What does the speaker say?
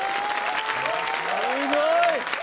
すごい！